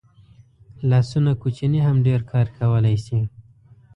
لاسونه کوچني هم ډېر کار کولی شي